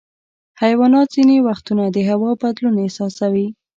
حیوانات ځینې وختونه د هوا بدلون احساسوي.